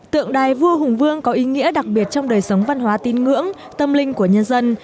tượng đài vua hùng vương có ý nghĩa đặc biệt trong đời sống văn hóa tin ngưỡng tâm linh của nhân dân